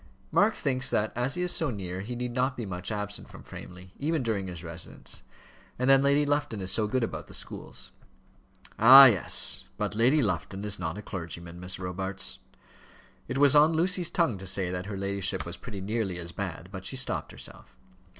"Mark thinks that, as he is so near, he need not be much absent from Framley, even during his residence. And then Lady Lufton is so good about the schools." "Ah! yes; but Lady Lufton is not a clergyman, Miss Robarts." It was on Lucy's tongue to say that her ladyship was pretty nearly as bad, but she stopped herself.